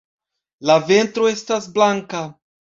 La ventro estas blanka.